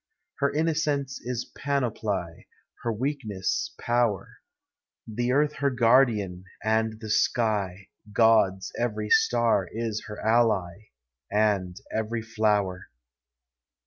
iler innocence is panoply. Her weakness, power; The earth her guardian, and the sky; (Jod's every star is her ally. And every flower.